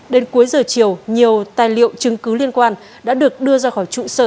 đến cuối giờ chiều nhiều tài liệu chứng cứ liên quan đã được đưa ra khỏi trụ sở